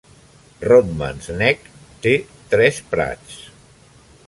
Rodman's Neck té tres prats.